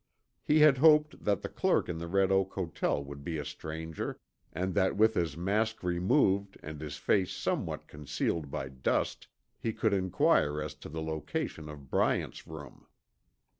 He had hoped that the clerk in the Red Oak Hotel would be a stranger, and that with his mask removed and his face somewhat concealed by dust, he could inquire as to the location of Bryant's room.